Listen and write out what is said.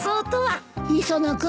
・磯野君。